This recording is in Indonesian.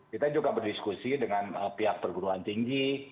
kita juga berdiskusi dengan pihak perguruan tinggi